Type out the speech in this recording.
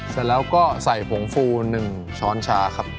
เสร็จแล้วก็ใส่ผงฟู๑ช้อนชาครับ